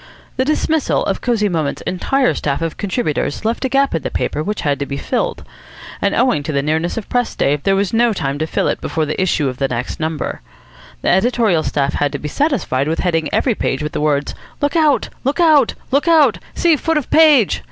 The dismissal of Cosy Moments' entire staff of contributors left a gap in the paper which had to be filled, and owing to the nearness of press day there was no time to fill it before the issue of the next number. The editorial staff had to be satisfied with heading every page with the words "Look out! Look out!! Look out!!! See foot of page!!!!"